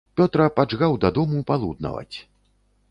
Пётра паджгаў да дому палуднаваць.